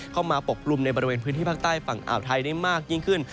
ปกกลุ่มในบริเวณพื้นที่ภาคใต้ฝั่งอ่าวไทยได้มากยิ่งขึ้น